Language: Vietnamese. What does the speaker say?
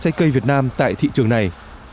trái cây việt nam tại thị trường này